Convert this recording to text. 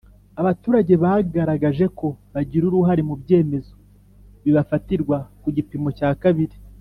Abaturage bagaragaje ko bagira uruhare mu byemezo bibafatirwa ku gipimo cya kabiri